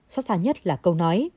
xót xa nhất là câu nói